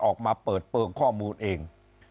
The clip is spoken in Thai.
ออกมาเปิดเปลืองข้อมูลเอง